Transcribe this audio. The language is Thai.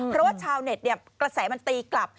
เพราะว่าชาวเน็ตกระแสมันตีกลับ